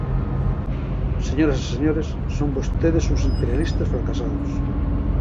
Señoras e señores, son vostedes uns imperialistas fracasados.